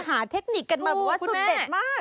เทคนิคกันมาแบบว่าสุดเด็ดมาก